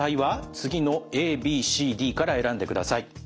次のＡＢＣＤから選んでください。